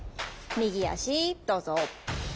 右足どうぞ。